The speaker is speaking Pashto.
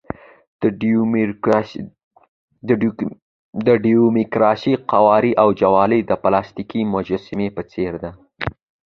د ډیموکراسۍ قواره او جوله د پلاستیکي مجسمې په څېر ده.